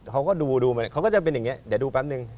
เขาก็ดูมาเขาก็จะเป็นอย่างนี้เดี๋ยวดูแป๊บนึง